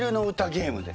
ゲームで。